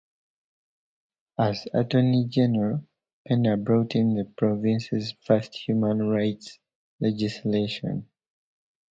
As Attorney-General, Penner brought in the province's first human rights legislation.